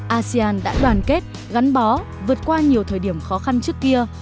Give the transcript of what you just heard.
asean đã đoàn kết gắn bó vượt qua nhiều thời điểm khó khăn trước kia